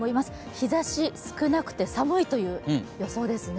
日ざし、少なくて寒いという予想ですね。